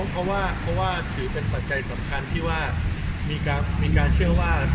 เพราะว่าถือเป็นปัจจัยสำคัญที่ว่ามีการเชื่อว่า